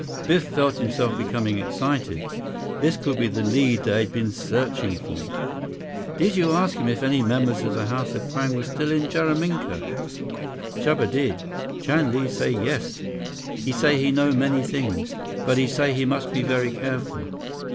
Biff felt himself becoming excited. This could be the lead they had been searching for. "Did you ask him if any members of the House of Kwang were still in Jaraminka?" "Chuba did. Chan Li say yes. He say he know many things. But he say he must be very careful.